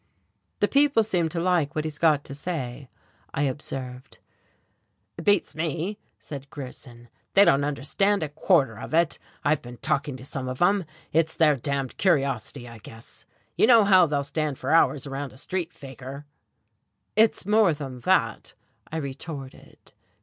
"The people seem to like what he's got to say," I observed. "It beats me," said Grierson. "They don't understand a quarter of it I've been talking to some of 'em. It's their d d curiosity, I guess. You know how they'll stand for hours around a street fakir." "It's more than that," I retorted.